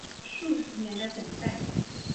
数十年的等待